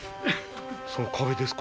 その壁ですか？